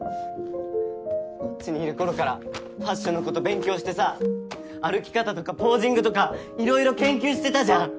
こっちにいる頃からファッションのこと勉強してさ歩き方とかポージングとかいろいろ研究してたじゃん！